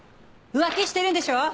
浮気してるんでしょ！？